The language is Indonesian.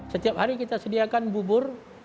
setiap hari kita sediakan bubur